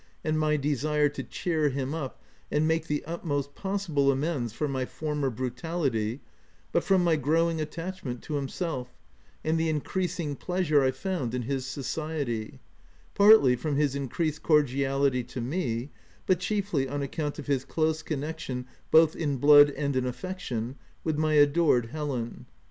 1 and my desire to cheer him up and make the utmost possible amends for my former " bru tality/ ' but from my growing attachment to himself, and the increasing pleasure I found in his society — partly, from his increased cordiality to me, but chiefly on account of his close con nection — both in blood and in affection — with my adored Helen.